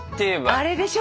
あれでしょ。